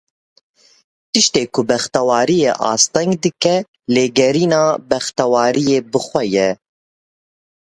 Tiştê ku bextewariyê asteng dike, lêgerîna bextewariyê bi xwe ye.